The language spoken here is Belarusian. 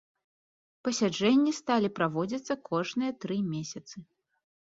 Пасяджэнні сталі праводзіцца кожныя тры месяцы.